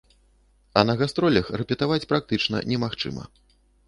А на гастролях рэпетаваць практычна немагчыма.